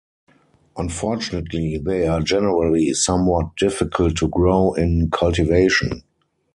Unfortunately, they are generally somewhat difficult to grow in cultivation.